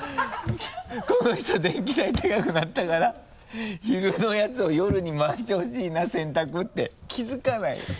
この人電気代高くなったから昼のやつを夜に回してほしいな洗濯って気づかないよ。